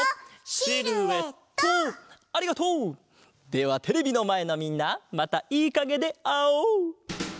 ではテレビのまえのみんなまたいいかげであおう！